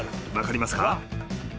分かりますか？